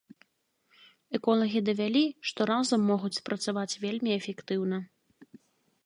Эколагі давялі, што разам могуць спрацаваць вельмі эфектыўна.